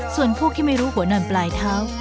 ส่วนพวกที่ไม่รู้หัวนอนปลายเท้า